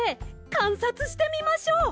かんさつしてみましょう！